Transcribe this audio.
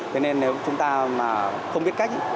thế nên nếu chúng ta mà không biết cách